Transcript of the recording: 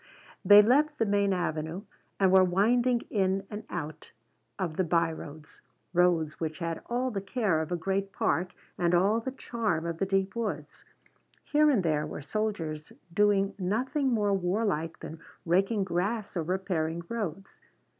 They left the main avenue and were winding in and out of the by roads, roads which had all the care of a great park and all the charm of the deep woods. Here and there were soldiers doing nothing more warlike than raking grass or repairing roads.